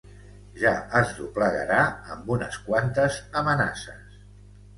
Ja es doblegarà, amb unes quantes amenaces!